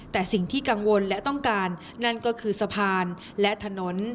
แต่สิ่งที่กังวลและต้องการนั่นก็คือสะพานและถนน